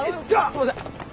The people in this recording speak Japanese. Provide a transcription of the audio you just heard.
すいません。